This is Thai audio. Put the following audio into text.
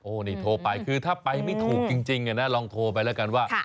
นี่โทรไปคือถ้าไปไม่ถูกจริงลองโทรไปแล้วกันว่า